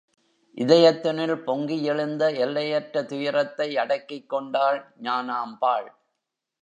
இதயத்தினுள் பொங்கியெழுந்த எல்லையற்ற துயரத்தை அடக்கிக் கொண்டாள் ஞானாம்பாள்.